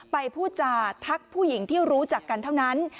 พูดจาทักผู้หญิงที่รู้จักกันเท่านั้น